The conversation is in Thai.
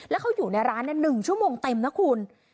แล้วเขาอยู่ในร้าน๑ชั่วโมงเต็มนะคุณ